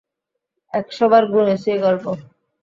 একশ বার শুনেছি এই গল্প।